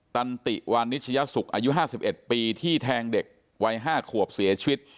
ตันติวานิชยสุกอายุห้าสิบเอ็ดปีที่แทงเด็กวัยห้าขวบเสียชีวิต